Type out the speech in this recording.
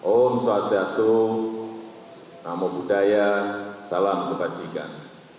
om swastiastu namo buddhaya salam kebajikan